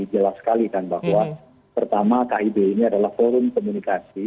jelas sekali kan bahwa pertama kib ini adalah forum komunikasi